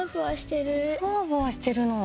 ふわふわしてるの。